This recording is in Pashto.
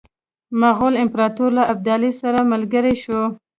مغول امپراطور له ابدالي سره ملګری شو.